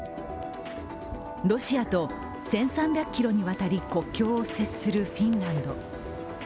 ロシアと１３００ｋｍにわたり国境を接するフィンランド。